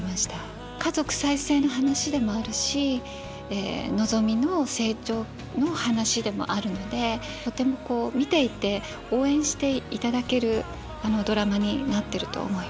家族再生の話でもあるしのぞみの成長の話でもあるのでとてもこう見ていて応援していただけるドラマになってると思います。